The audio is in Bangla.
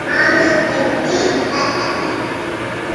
তিনি আরবি ভাষার বিবৃতি, ছড়া এবং ভিডিওর ইংরেজি অনুবাদ প্রদান করেন।